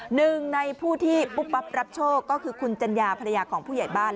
หนึ่งในผู้ที่ปุ๊บปั๊บรับโชคก็คือคุณจัญญาภรรยาของผู้ใหญ่บ้าน